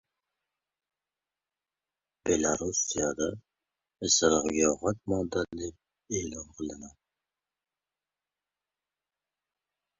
Belarusda isiriq giyohvand modda deb e’lon qilindi